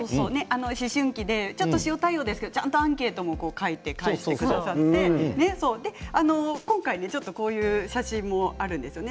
思春期で、ちょっと塩対応ですけれどもちゃんとアンケートも書いて返してくださったので今回こういう写真もあるんですよね。